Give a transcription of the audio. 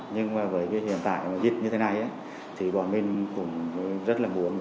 nhưng mà với cái hiện tại ít như thế này thì bọn mình cũng rất là muốn